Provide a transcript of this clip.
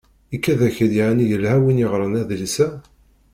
Ikad-ak-d yeεni yelha win yeɣran adlis-a?